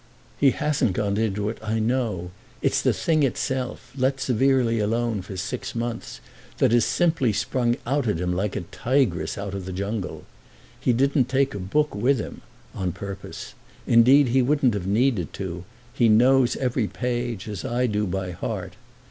"He hasn't gone into it, I know; it's the thing itself, let severely alone for six months, that has simply sprung out at him like a tigress out of the jungle. He didn't take a book with him—on purpose; indeed he wouldn't have needed to—he knows every page, as I do, by heart.